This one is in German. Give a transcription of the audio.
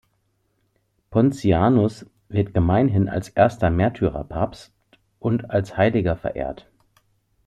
Pontianus wird gemeinhin als erster Märtyrer-Papst und als Heiliger verehrt.